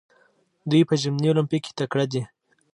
دوی په ژمني المپیک کې تکړه دي.